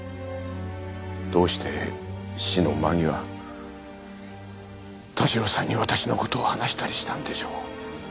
どうして死の間際田代さんに私の事を話したりしたのでしょう？